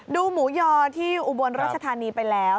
ดูหมูยอที่อุบลรัชธานีไปแล้ว